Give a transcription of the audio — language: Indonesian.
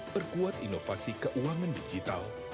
perkuat inovasi keuangan digital